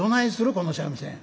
この三味線。